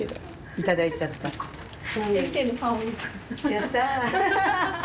やった。